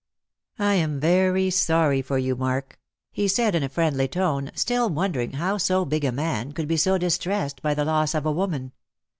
" I am very sorry for you, Mark," he said in a friendly tone, still wondering how so big a man could be so distressed by the loss of a woman.